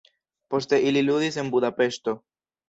Poste ili ludis en Budapeŝto.